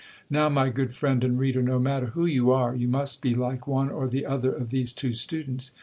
Now, my good friend and reader, no matter who you are, you must be like one or the other of these two students.